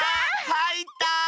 はいった！